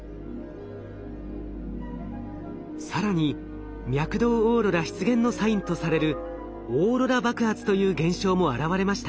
更に脈動オーロラ出現のサインとされるオーロラ爆発という現象も現れました。